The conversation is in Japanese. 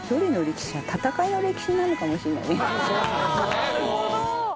なるほど！